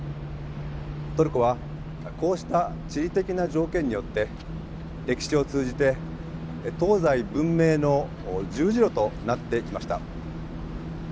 トルコはこうした地理的な条件によって歴史を通じて東西文明の十字路となってきました。